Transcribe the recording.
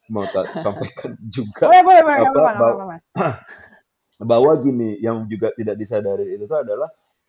mau sampaikan juga bahwa gini yang juga tidak disadari itu adalah